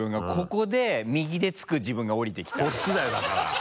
ここで右で着く自分がおりてきたそっちだよだから。